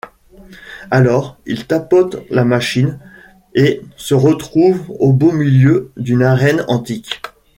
Alors, il tapote la machine et se retrouve au beau milieu d'une arène antique.